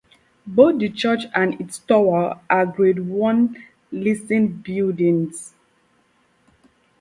Both the church and its tower are Grade One listed buildings.